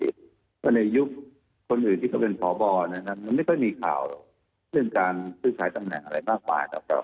เพราะในยุคคนอื่นที่เขาเป็นพบนะครับมันไม่ค่อยมีข่าวเรื่องการซื้อขายตำแหน่งอะไรมากมายนะครับ